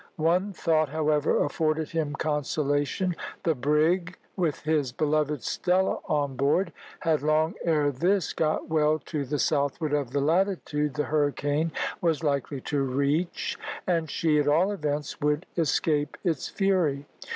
One thought, however, afforded him consolation; the brig, with his beloved Stella on board, had long ere this got well to the southward of the latitude the hurricane was likely to reach, and she, at all events, would escape its fury.